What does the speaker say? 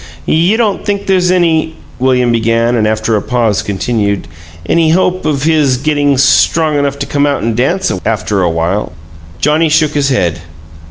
"You don't think there's any " William began, and, after a pause, continued "any hope of his getting strong enough to come out and dance afterwhile?" Johnnie shook his head.